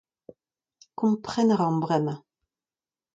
Kompren a ran bremañ.